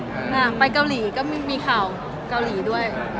อ่าไปเกาหลีก็มีข่าว